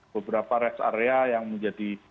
beberapa rest area yang menjadi